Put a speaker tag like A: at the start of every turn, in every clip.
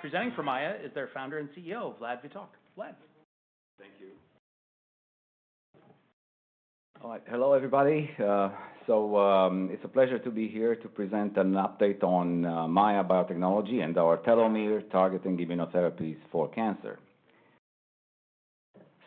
A: Presenting for MAIA is their founder and CEO, Vlad Vitoc. Vlad.
B: Thank you. Hello, everybody. So it's a pleasure to be here to present an update on MAIA Biotechnology and our telomere targeting immunotherapies for cancer.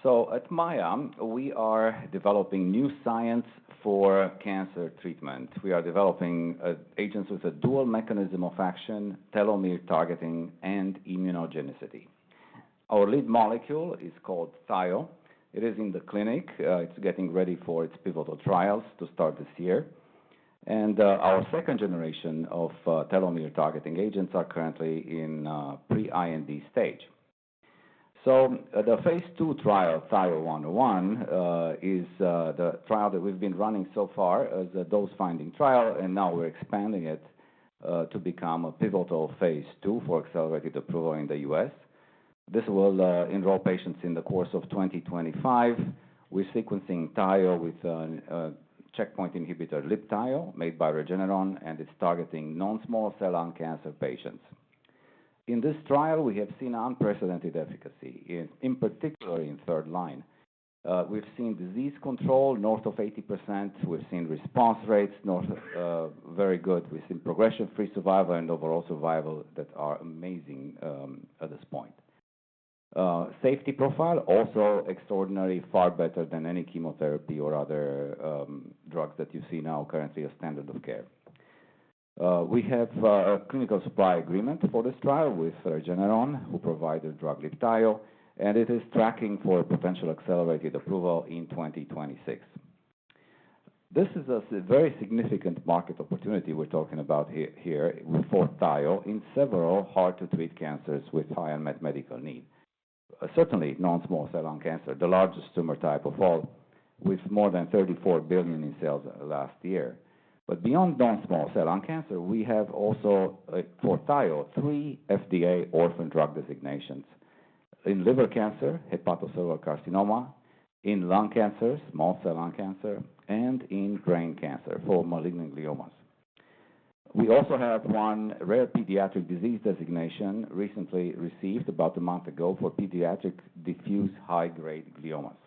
B: So at MAIA, we are developing new science for cancer treatment. We are developing agents with a dual mechanism of action: telomere targeting and immunogenicity. Our lead molecule is called THIO. It is in the clinic. It's getting ready for its pivotal trials to start this year. And our second generation of telomere targeting agents are currently in pre-IND stage. So the phase two trial, THIO-101, is the trial that we've been running so far as a dose-finding trial. And now we're expanding it to become a pivotal phase two for accelerated approval in the U.S. This will enroll patients in the course of 2025. We're sequencing THIO with a checkpoint inhibitor, Libtayo, made by Regeneron, and it's targeting non-small cell lung cancer patients. In this trial, we have seen unprecedented efficacy, in particular in third line. We've seen disease control north of 80%. We've seen response rates very good. We've seen progression-free survival and overall survival that are amazing at this point. Safety profile also extraordinary, far better than any chemotherapy or other drugs that you see now currently as standard of care. We have a clinical supply agreement for this trial with Regeneron, who provided drug Libtayo, and it is tracking for potential accelerated approval in 2026. This is a very significant market opportunity we're talking about here for THIO in several hard-to-treat cancers with high unmet medical need. Certainly, non-small cell lung cancer, the largest tumor type of all, with more than $34 billion in sales last year. But beyond non-small cell lung cancer, we have also for THIO three FDA orphan drug designations: in liver cancer, hepatocellular carcinoma, in lung cancer, small cell lung cancer, and in brain cancer for malignant gliomas. We also have one rare pediatric disease designation recently received about a month ago for pediatric diffuse high-grade gliomas.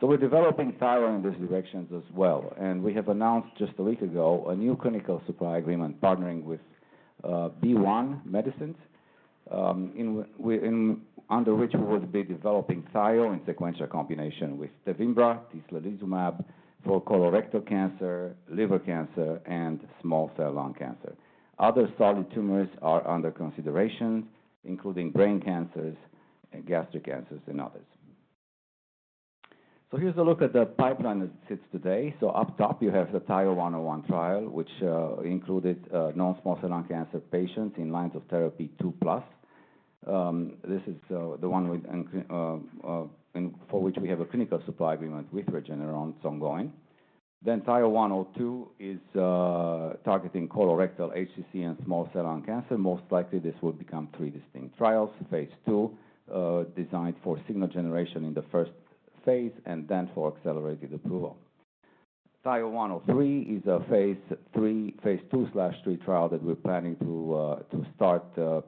B: So we're developing THIO in these directions as well. And we have announced just a week ago a new clinical supply agreement partnering with BeiGene, under which we would be developing THIO in sequential combination with Tevimbra, tislelizumab for colorectal cancer, liver cancer, and small cell lung cancer. Other solid tumors are under consideration, including brain cancers, gastric cancers, and others. So here's a look at the pipeline as it sits today. So up top, you have the THIO-101 trial, which included non-small cell lung cancer patients in lines of therapy two plus. This is the one for which we have a clinical supply agreement with Regeneron ongoing. Then THIO-102 is targeting colorectal, HCC, and small cell lung cancer. Most likely, this will become three distinct trials: phase two, designed for signal generation in the first phase, and then for accelerated approval. THIO-103 is a phase two slash three trial that we're planning to start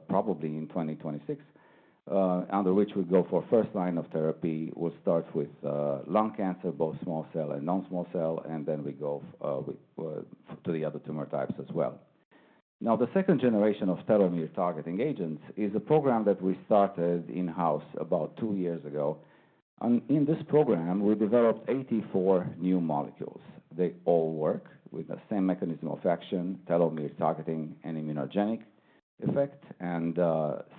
B: probably in 2026, under which we go for first line of therapy. We'll start with lung cancer, both small cell and non-small cell, and then we go to the other tumor types as well. Now, the second generation of telomere targeting agents is a program that we started in-house about two years ago. In this program, we developed 84 new molecules. They all work with the same mechanism of action: telomere targeting and immunogenic effect. And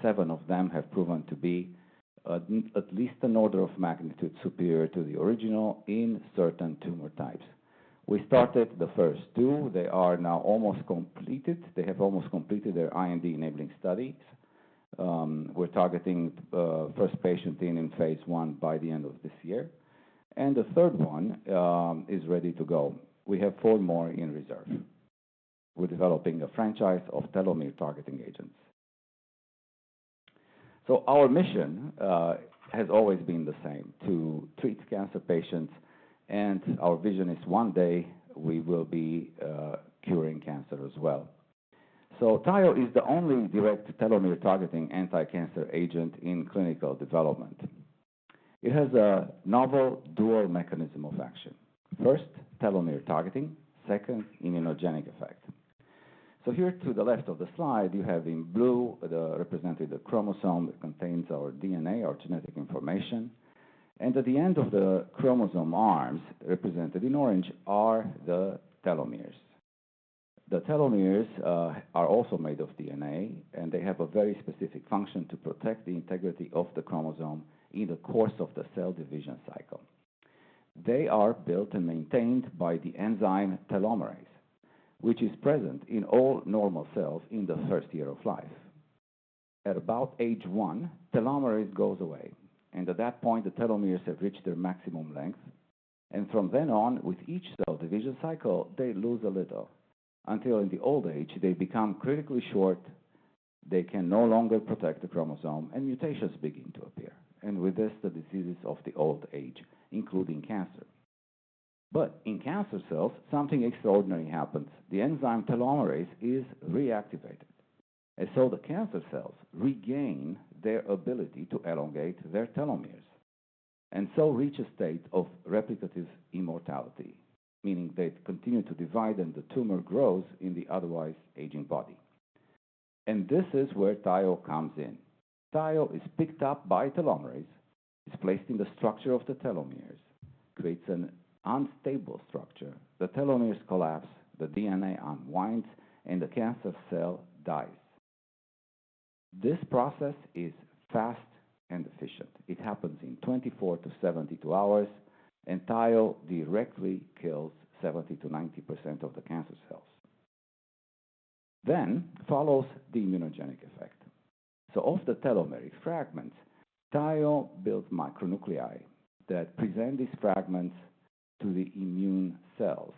B: seven of them have proven to be at least an order of magnitude superior to the original in certain tumor types. We started the first two. They are now almost completed. They have almost completed their IND enabling studies. We're targeting first patient in phase 1 by the end of this year. And the third one is ready to go. We have four more in reserve. We're developing a franchise of telomere targeting agents. So our mission has always been the same: to treat cancer patients. And our vision is one day we will be curing cancer as well. So THIO is the only direct telomere targeting anti-cancer agent in clinical development. It has a novel dual mechanism of action. First, telomere targeting. Second, immunogenic effect. So here to the left of the slide, you have in blue the representative chromosome that contains our DNA, our genetic information. And at the end of the chromosome arms, represented in orange, are the telomeres. The telomeres are also made of DNA, and they have a very specific function to protect the integrity of the chromosome in the course of the cell division cycle. They are built and maintained by the enzyme telomerase, which is present in all normal cells in the first year of life. At about age one, telomerase goes away. And at that point, the telomeres have reached their maximum length. And from then on, with each cell division cycle, they lose a little until in the old age, they become critically short. They can no longer protect the chromosome, and mutations begin to appear. And with this, the diseases of the old age, including cancer. But in cancer cells, something extraordinary happens. The enzyme telomerase is reactivated. And so the cancer cells regain their ability to elongate their telomeres and so reach a state of replicative immortality, meaning they continue to divide and the tumor grows in the otherwise aging body. And this is where THIO comes in. THIO is picked up by telomerase, is placed in the structure of the telomeres, creates an unstable structure. The telomeres collapse, the DNA unwinds, and the cancer cell dies. This process is fast and efficient. It happens in 24 to 72 hours. And THIO directly kills 70%-90% of the cancer cells. Then follows the immunogenic effect. So of the telomeric fragments, THIO builds micronuclei that present these fragments to the immune cells,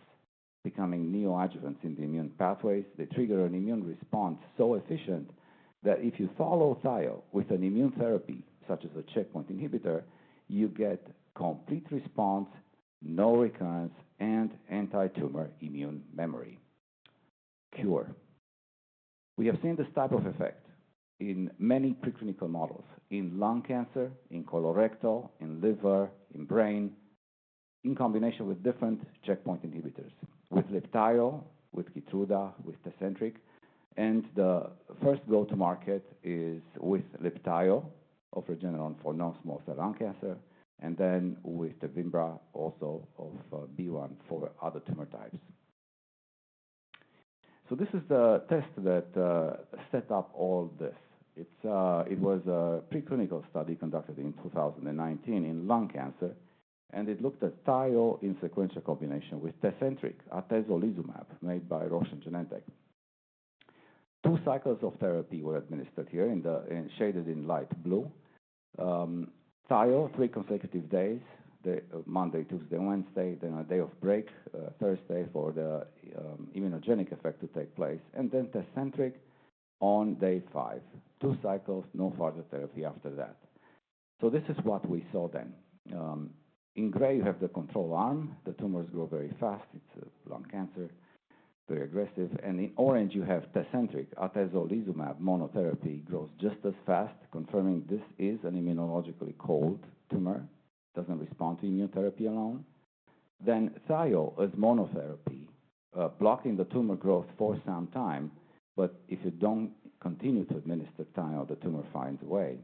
B: becoming neoadjuvants in the immune pathways. They trigger an immune response so efficient that if you follow THIO with an immune therapy such as a checkpoint inhibitor, you get complete response, no recurrence, and anti-tumor immune memory. Cure. We have seen this type of effect in many preclinical models in lung cancer, in colorectal, in liver, in brain, in combination with different checkpoint inhibitors, with Libtayo, with Keytruda, with Tecentriq, and the first go-to-market is with Libtayo of Regeneron for non-small cell lung cancer, and then with Tevimbra also of BeiGene for other tumor types, so this is the test that set up all this. It was a preclinical study conducted in 2019 in lung cancer, and it looked at THIO in sequential combination with Tecentriq, Atezolizumab made by Roche Genentech. Two cycles of therapy were administered here and shaded in light blue. THIO three consecutive days: Monday, Tuesday, Wednesday, then a day of break, Thursday, for the immunogenic effect to take place, and then Tecentriq on day five. Two cycles, no further therapy after that, so this is what we saw then. In gray, you have the control arm. The tumors grow very fast. It's lung cancer, very aggressive, and in orange, you have Tecentriq, Atezolizumab monotherapy grows just as fast, confirming this is an immunologically cold tumor, doesn't respond to immunotherapy alone. Then THIO as monotherapy, blocking the tumor growth for some time. But if you don't continue to administer THIO, the tumor finds a way,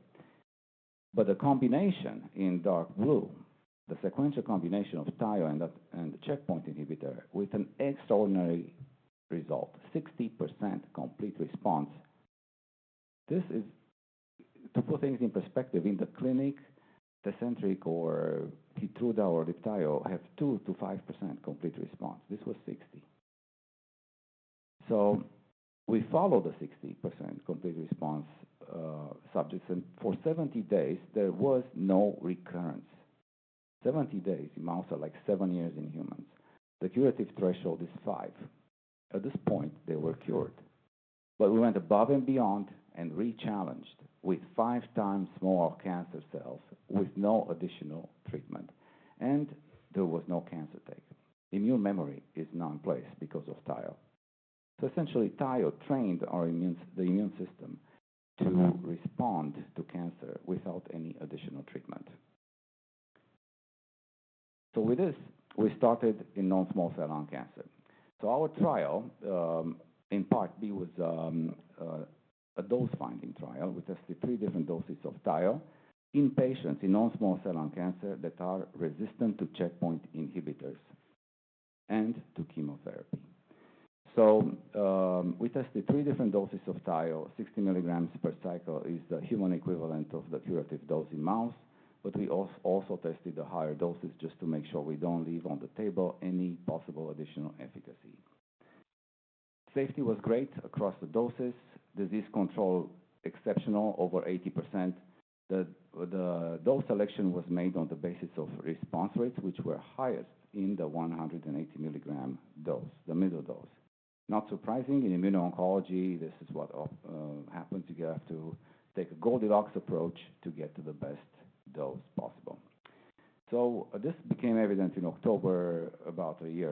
B: but the combination in dark blue, the sequential combination of THIO and the checkpoint inhibitor with an extraordinary result, 60% complete response. This is, to put things in perspective, in the clinic, Tecentriq or Keytruda or Libtayo have 2%-5% complete response. This was 60%, so we followed the 60% complete response subjects, and for 70 days, there was no recurrence. 70 days in mice are like seven years in humans. The curative threshold is five. At this point, they were cured, but we went above and beyond and re-challenged with five times more cancer cells with no additional treatment, and there was no cancer taken. Immune memory is now in place because of THIO, so essentially, THIO trained the immune system to respond to cancer without any additional treatment, so with this, we started in non-small cell lung cancer, so our trial, in part, was a dose-finding trial. We tested three different doses of THIO in patients in non-small cell lung cancer that are resistant to checkpoint inhibitors and to chemotherapy. So we tested three different doses of THIO, 60 milligrams per cycle is the human equivalent of the curative dose in mouse. But we also tested the higher doses just to make sure we don't leave on the table any possible additional efficacy. Safety was great across the doses. Disease control exceptional, over 80%. The dose selection was made on the basis of response rates, which were highest in the 180 milligram dose, the middle dose. Not surprising. In immuno-oncology, this is what happens. You have to take a Goldilocks approach to get to the best dose possible. So this became evident in October about a year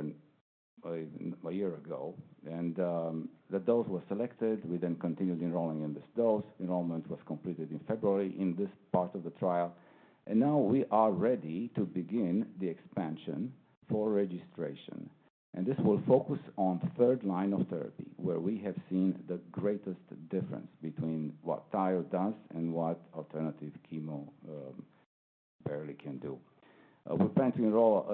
B: ago. And the dose was selected. We then continued enrolling in this dose. Enrollment was completed in February in this part of the trial. And now we are ready to begin the expansion for registration. And this will focus on third-line therapy, where we have seen the greatest difference between what THIO does and what alternative chemo barely can do. We plan to enroll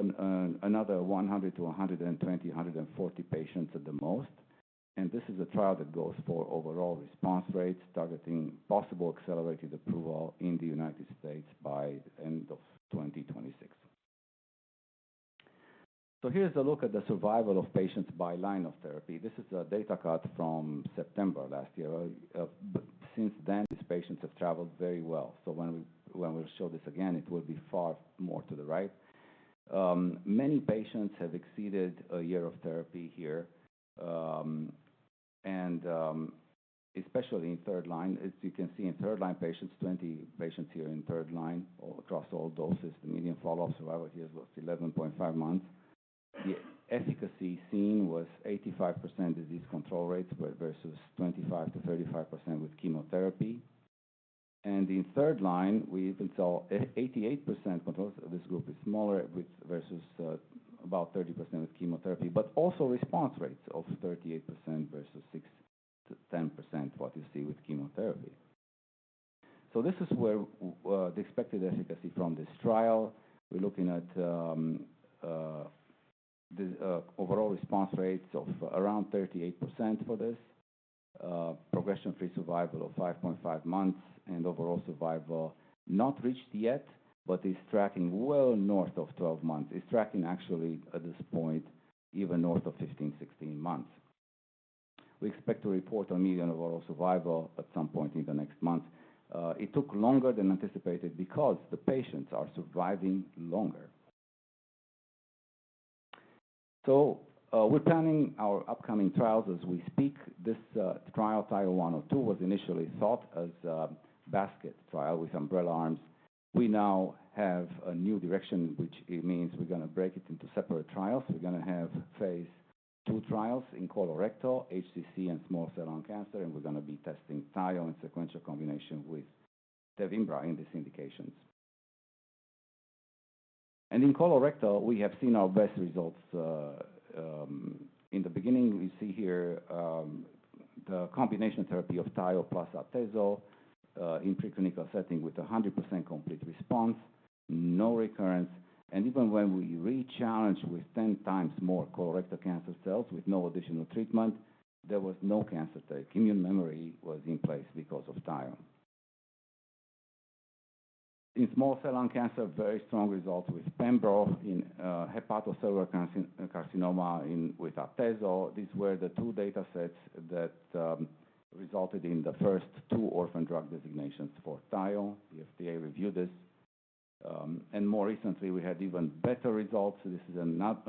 B: another 100 to 120, 140 patients at the most. And this is a trial that goes for overall response rates, targeting possible accelerated approval in the United States by the end of 2026. So here's a look at the survival of patients by line of therapy. This is a data cut from September last year. Since then, these patients have traveled very well. So when we'll show this again, it will be far more to the right. Many patients have exceeded a year of therapy here. And especially in third line, as you can see in third line patients, 20 patients here in third line across all doses. The median follow-up survival here was 11.5 months. The efficacy seen was 85% disease control rates versus 25%-35% with chemotherapy. And in third line, we even saw 88% controls. This group is smaller versus about 30% with chemotherapy, but also response rates of 38% versus 6%-10% what you see with chemotherapy. So this is where the expected efficacy from this trial. We're looking at overall response rates of around 38% for this, progression-free survival of 5.5 months, and overall survival not reached yet, but is tracking well north of 12 months. It's tracking actually at this point even north of 15-16 months. We expect to report a median overall survival at some point in the next month. It took longer than anticipated because the patients are surviving longer. So we're planning our upcoming trials as we speak. This trial, THIO-102, was initially thought as a basket trial with umbrella arms. We now have a new direction, which means we're going to break it into separate trials. We're going to have phase two trials in colorectal, HCC, and small cell lung cancer. We're going to be testing THIO in sequential combination with Tevimbra in these indications. In colorectal, we have seen our best results. In the beginning, you see here the combination therapy of THIO plus Atezo in preclinical setting with 100% complete response, no recurrence. Even when we re-challenged with 10 times more colorectal cancer cells with no additional treatment, there was no cancer take. Immune memory was in place because of THIO. In small cell lung cancer, very strong results with Pembro in hepatocellular carcinoma with Atezo. These were the two data sets that resulted in the first two orphan drug designations for THIO. The FDA reviewed this. More recently, we had even better results. This is another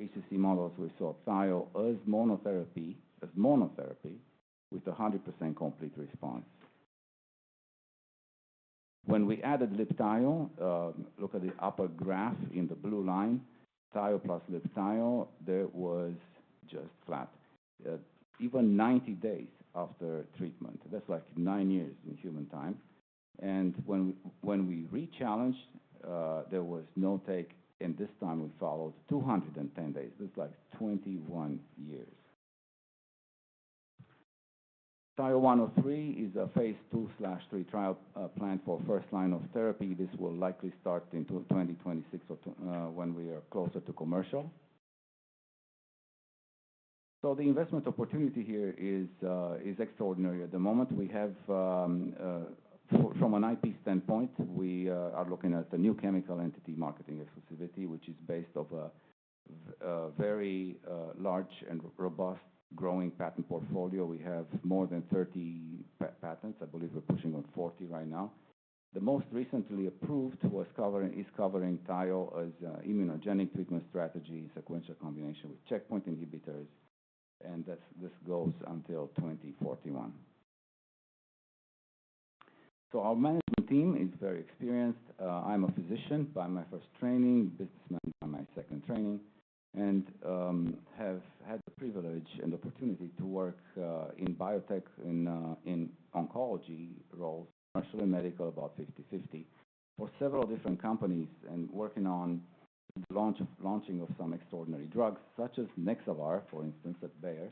B: HCC model, so we saw THIO as monotherapy with 100% complete response. When we added Libtayo, look at the upper graph in the blue line, THIO plus Libtayo, there was just flat. Even 90 days after treatment. That's like nine years in human time, and when we re-challenged, there was no take, and this time we followed 210 days. That's like 21 years. THIO-103 is a phase 2/3 trial planned for first line of therapy. This will likely start in 2026 when we are closer to commercial, so the investment opportunity here is extraordinary at the moment. From an IP standpoint, we are looking at a new chemical entity marketing exclusivity, which is based off a very large and robust growing patent portfolio. We have more than 30 patents. I believe we're pushing on 40 right now. The most recently approved is covering THIO as an immunogenic treatment strategy, sequential combination with checkpoint inhibitors. This goes until 2041. Our management team is very experienced. I'm a physician by my first training, businessman by my second training, and have had the privilege and opportunity to work in biotech and oncology roles, commercial and medical, about 50/50 for several different companies and working on the launching of some extraordinary drugs, such as Nexavar, for instance, at Bayer.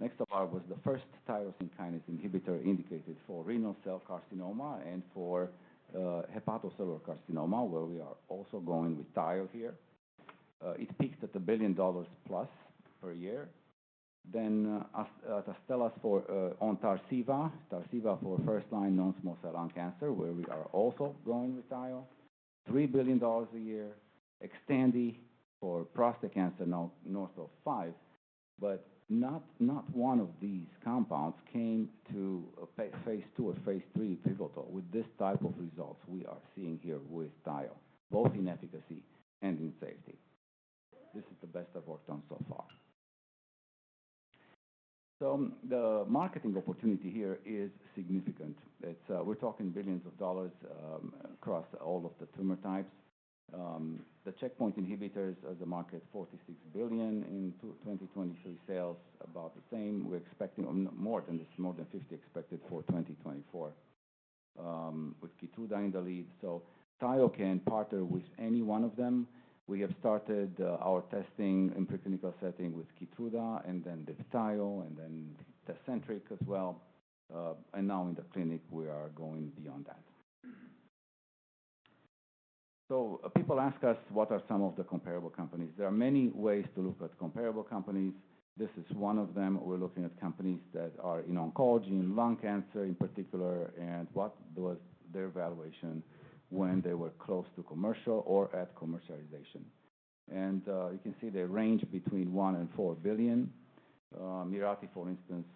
B: Nexavar was the first tyrosine kinase inhibitor indicated for renal cell carcinoma and for hepatocellular carcinoma, where we are also going with THIO here. It peaked at $1 billion plus per year. Astellas on Tarceva, Tarceva for first line non-small cell lung cancer, where we are also going with THIO, $3 billion a year. Xtandi for prostate cancer north of five. Not one of these compounds came to phase 2 or phase 3 pivotal with this type of results we are seeing here with THIO, both in efficacy and in safety. This is the best I've worked on so far. The marketing opportunity here is significant. We're talking billions of dollars across all of the tumor types. The checkpoint inhibitors are the market, $46 billion in 2023 sales, about the same. We're expecting more than $50 billion for 2024 with Keytruda in the lead. THIO can partner with any one of them. We have started our testing in preclinical setting with Keytruda and then Libtayo and then Tecentriq as well. Now in the clinic, we are going beyond that. People ask us, what are some of the comparable companies? There are many ways to look at comparable companies. This is one of them. We're looking at companies that are in oncology, in lung cancer in particular, and what was their evaluation when they were close to commercial or at commercialization. And you can see they range between $1 billion and $4 billion. Mirati, for instance,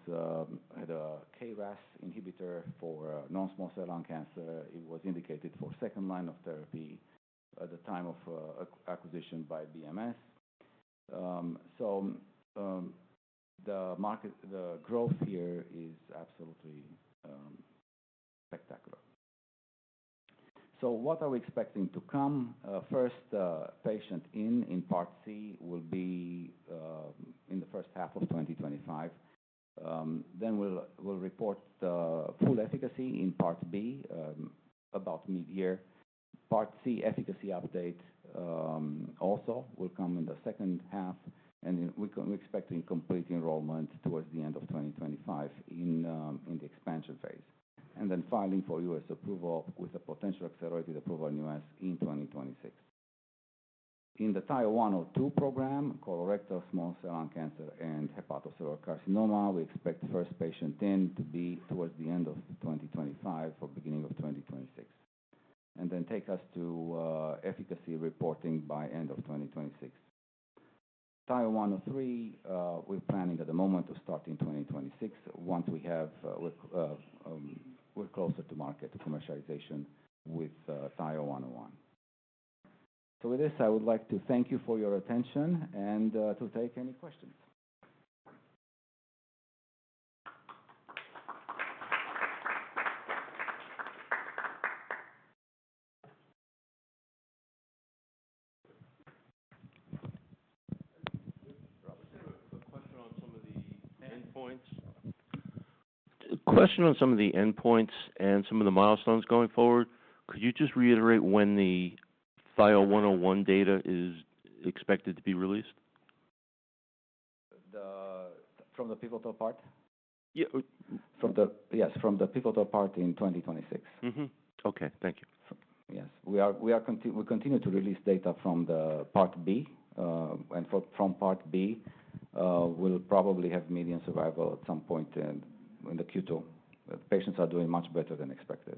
B: had a KRAS inhibitor for non-small cell lung cancer. It was indicated for second line of therapy at the time of acquisition by BMS. So the growth here is absolutely spectacular. So what are we expecting to come? First patient in Part C will be in the first half of 2025. Then we'll report full efficacy in part B about mid-year. Part C efficacy update also will come in the second half. And we expect complete enrollment towards the end of 2025 in the expansion phase. And then filing for U.S. approval with a potential accelerated approval in the U.S. in 2026. In the THIO-102 program, colorectal, small cell lung cancer, and hepatocellular carcinoma, we expect first patient in to be towards the end of 2025 or beginning of 2026, and then take us to efficacy reporting by end of 2026. THIO-103, we're planning at the moment to start in 2026 once we're closer to market commercialization with THIO-101, so with this, I would like to thank you for your attention and to take any questions.
A: A question on some of the endpoints.
B: Question on some of the endpoints and some of the milestones going forward. Could you just reiterate when the THIO-101 data is expected to be released? From the pivotal part? Yes. From the pivotal part in 2026. Okay. Thank you. Yes. We continue to release data from Part B, and from Part B, we'll probably have median survival at some point in the Q2. Patients are doing much better than expected.